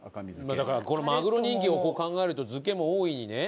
まぐろ人気を考えると漬けも大いにね。